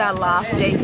oh penonton menikmati